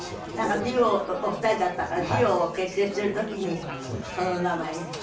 なんかデュオお二人だったからデュオを結成する時にその名前に。